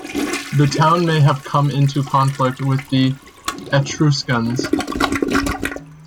The town may have come into conflict with the Etruscans.